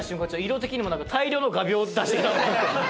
色的にもなんか大量の画びょう出してきたのかと。